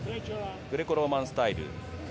グレコローマンスタイル。